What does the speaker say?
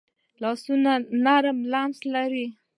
لاسونه نرم لمس لري